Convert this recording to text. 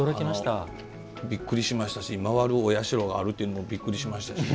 びっくりしましたし回るお社があるというのもびっくりしましたしね。